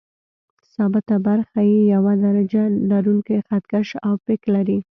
ثابته برخه یې یو درجه لرونکی خط کش او فک لري.